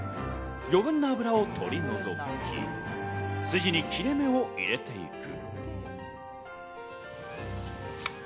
余分な脂を取り除き、スジに切れ目を入れていく。